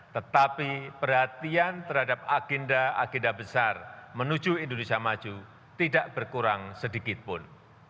tetapi perhatian terhadap agenda agenda besar menuju indonesia maju tidak berkurang sedikitpun